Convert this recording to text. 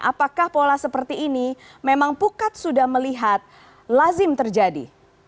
apakah pola seperti ini memang pukat sudah melihat lazim terjadi